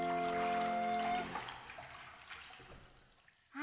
あ！